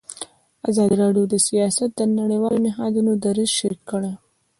ازادي راډیو د سیاست د نړیوالو نهادونو دریځ شریک کړی.